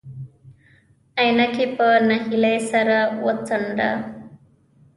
عينکي په نهيلۍ سر وڅنډه.